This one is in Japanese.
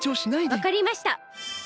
わかりました！